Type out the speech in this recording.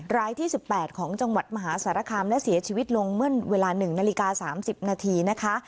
รายที่๑๘ของจังหวัดมหาสารคามและเสียชีวิตลงเมื่อเวลา๑นาฬิกา๓๐นาทีนะคะ